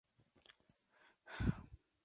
La sede de condado es Gloucester Courthouse.